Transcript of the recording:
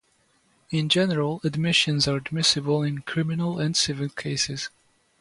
In general, admissions are admissible in criminal and civil cases.